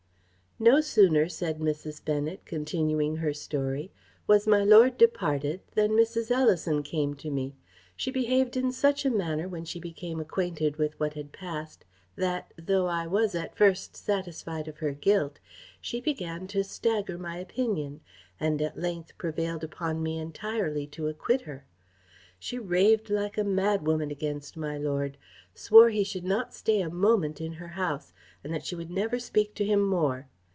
_ "No sooner," said Mrs. Bennet, continuing her story, "was my lord departed, than Mrs. Ellison came to me. She behaved in such a manner, when she became acquainted with what had past, that, though I was at first satisfied of her guilt, she began to stagger my opinion, and at length prevailed upon me entirely to acquit her. She raved like a mad woman against my lord, swore he should not stay a moment in her house, and that she would never speak to him more.